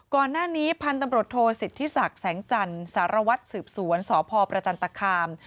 ก่อนหน้านี้พันธุ์ตำรวจโทษสิทธิศักดิ์แสงจันทร์สารวัตรสืบสวนสพประจันตคาม